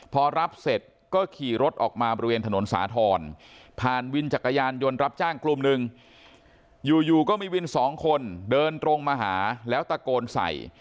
พอรับเสร็จก็ขี่รถออกมาบริเวณถนนสาธรณ์ผ่านวินจักรยานยนต์รับจ้างกลุ่มหนึ่งอยู่ก็มีวินสองคนเดินตรงมาหาแล้วตะโกนใส่